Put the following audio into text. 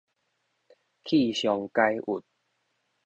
去傷解鬱